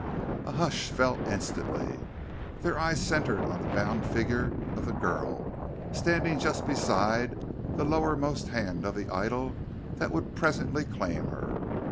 A hush fell instantly. Their eyes centered on the bound figure of the girl, standing just beside the lowermost hand of the idol that would presently claim her.